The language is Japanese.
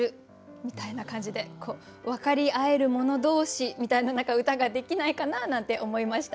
みたいな感じで分かり合える者同士みたいな何か歌ができないかななんて思いました。